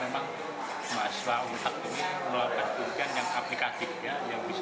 dan mahasiswa kita harapkan memang mahasiswa umat ini melakukan kegiatan yang aplikatif